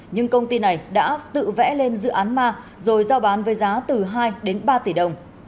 nhưng công ty này đã tự vẽ lên dự án ma rồi giao bán với giá từ hai đến ba tỷ đồng